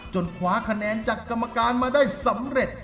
คว้าคะแนนจากกรรมการมาได้สำเร็จ